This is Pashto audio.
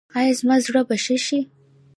ایا زما زړه به ښه شي؟